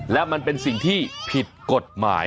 และมันเป็นสิ่งที่ผิดกฎหมาย